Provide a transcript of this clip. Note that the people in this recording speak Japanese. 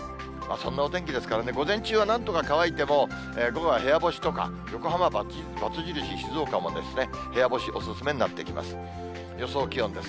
そんなお天気ですからね、午前中はなんとか乾いても、午後は部屋干しとか、横浜はバツ印、静岡も部屋干しお勧めになってきます。